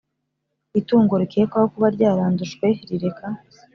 Itungo rikekwaho kuba ryarandujwe rireka